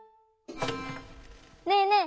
ねえねえ